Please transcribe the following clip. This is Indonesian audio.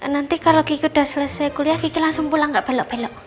nanti kalau gigi udah selesai kuliah gigi langsung pulang enggak belok belok